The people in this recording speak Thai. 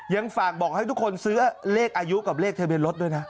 ยังฝากบอกให้ทุกคนซื้อเลขอายุกับเลขทะเบียนรถด้วยนะ